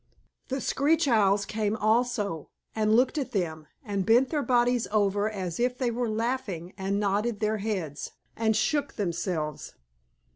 The Screech Owls came also, and looked at them, and bent their bodies over as if they were laughing, and nodded their heads, and shook themselves.